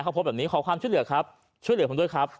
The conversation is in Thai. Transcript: เขาโพสต์แบบนี้ขอความช่วยเหลือครับช่วยเหลือผมด้วยครับ